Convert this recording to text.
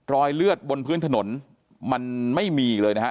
รอยเลือดบนพื้นถนนมันไม่มีเลยนะฮะ